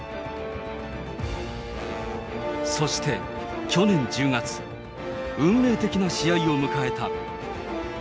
そして去年１０月、運命的な試合を迎えた。